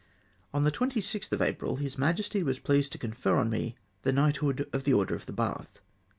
On the 26tli of April, His Majesty was pleased to confer on me the Knighthood of the Order of the Bath.